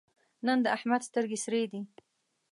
نن د احمد سترګې سرې دي.